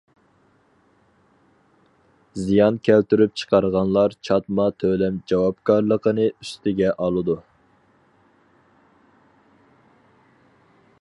زىيان كەلتۈرۈپ چىقارغانلار چاتما تۆلەم جاۋابكارلىقىنى ئۈستىگە ئالىدۇ.